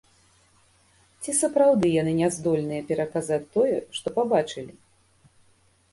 Ці сапраўды яны не здольныя пераказаць тое, што пабачылі?